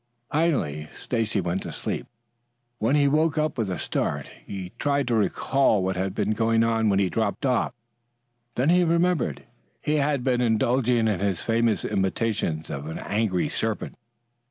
Finally Stacy went to sleep. When he woke up with a start, he tried to recall what had been going on when he dropped off. Then he remembered. He had been indulging in his famous imitation of an angry serpent.